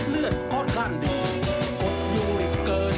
เพื่อให้ได้ผลที่ดีขึ้นเลย